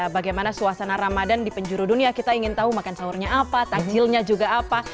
bagaimana suasana ramadan di penjuru dunia kita ingin tahu makan sahurnya apa takjilnya juga apa